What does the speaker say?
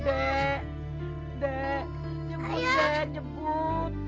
dek dek nyemput dek nyemput